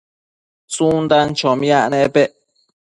tsundan chomiac nepec